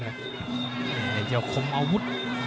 ไอ้เจ้าคมอาวุธ